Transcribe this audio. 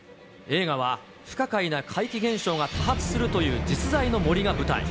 映画は、不可解な怪奇現象が多発するという実在の森が舞台。